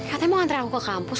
katanya mau ngantar aku ke kampus